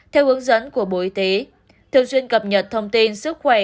theo hướng dẫn của bộ y tế thường xuyên cập nhật thông tin sức khỏe